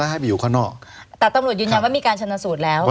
แต่ตำรวจยืนยังว่ามีการชนสูตรแล้ว